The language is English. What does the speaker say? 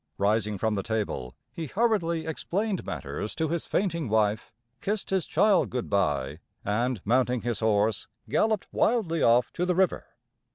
Rising from the table, he hurriedly explained matters to his fainting wife, kissed his child good by, and, mounting his horse, galloped wildly off to the river.